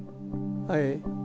はい。